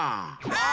あ！